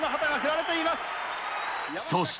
そして。